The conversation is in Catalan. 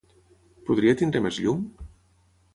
Podria tenir més llum?